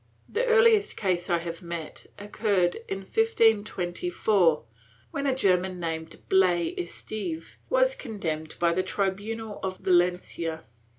The earliest case I have met occurred in 1524, when a German named Blay Esteve was condemned by the tribunal of Valencia.